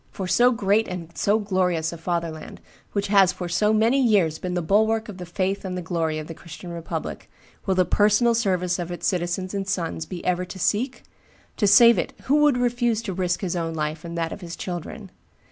For so great and so glorious a fatherland, which has for so many years been the bulwark of the faith and the glory of the Christian republic, will the personal service of its citizens and its sons be ever to seek? To save it who would refuse to risk his own life and that of his children?